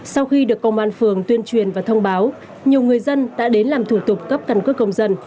sau khi được công an phường tuyên truyền và thông báo nhiều người dân đã đến làm thủ tục cấp căn cước công dân